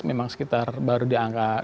memang sekitar baru di angka